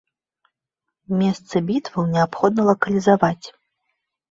Месцы бітваў неабходна лакалізаваць.